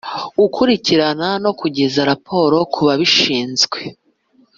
Gukurikirana no kugeza raporo ku babishinzwe